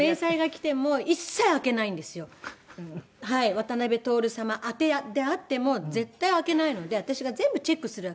渡辺徹様宛てであっても絶対開けないので私が全部チェックするわけです。